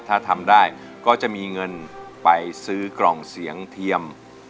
ถ้าทำได้ก็จะมีเงินไปซื้อกล่องเสียงเทียม